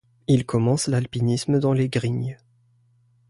Il commence l'alpinisme dans les Grignes.